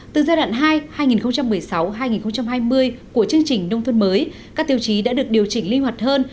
từ giai đoạn hai hai nghìn một mươi sáu hai nghìn hai mươi của chương trình nông thôn mới các tiêu chí đã được điều chỉnh linh hoạt hơn